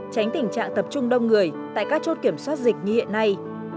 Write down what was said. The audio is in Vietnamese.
tránh tình trạng tập trung đông người tại các chốt kiểm soát dịch như hiện nay